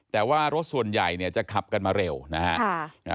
แต่ว่ารถส่วนใหญ่เนี่ยจะขับกันมาเร็วนะฮะ